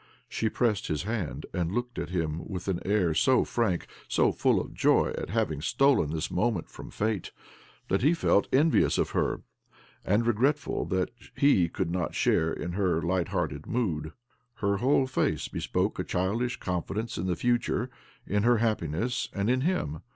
She pressed his hand^ and looked at him with an air so frank, so full of joy at having stolen this moment from' Eate, that hfe felt 212 OBLOMOV envious of her, and regretful that he could not share in her lighthearted mood. Her whole face bespoke a childish confidence in the future, in her happiness, and in him.